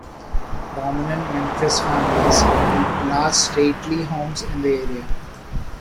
Prominent Memphis families built large stately homes in the area.